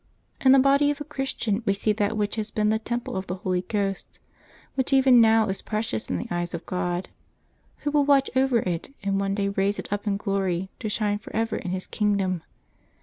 — In the body of a Christian we see that which has been the temple of the Holy Ghost, which even now is precious in the eyes of God, Who will watch oyer it, and one day raise it up in glory to shine forever in His kingdom.